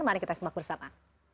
mari kita sembah bersama